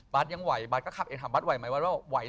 บ๊าสยังไหวบ๊าสก็ขับเองถามบ๊าสไหวไหมบ๊าสว่าไหว